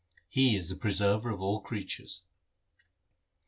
He is the Preserver of all creatures.